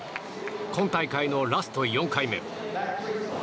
今大会のラスト４回目。